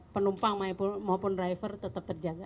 penumpang maupun driver tetap terjaga